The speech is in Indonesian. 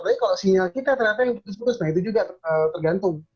tapi kalau sinyal kita ternyata yang putus putus nah itu juga tergantung